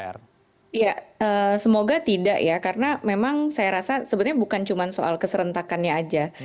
ya semoga tidak ya karena memang saya rasa sebenarnya bukan cuma soal keserentakannya aja